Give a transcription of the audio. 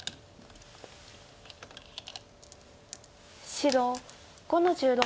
白５の十六。